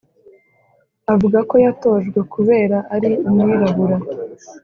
Avuga ko yatojwe kubera ari umwirabura